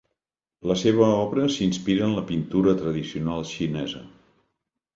La seva obra s'inspira en la pintura tradicional xinesa.